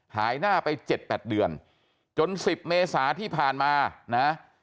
หายหน้าไปเจ็ดแปดเดือนจนสิบเมษาที่ผ่านมานะ